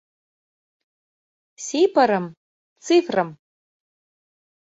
Сипырым — цифрым.